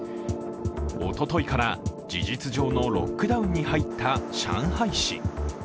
おとといから事実上のロックダウンに入った上海市。